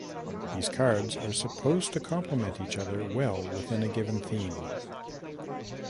These cards are supposed to complement each other well within a given theme.